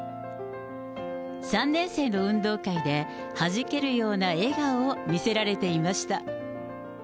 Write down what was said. ３年生の運動会で、はじけるような笑顔を見せられていました。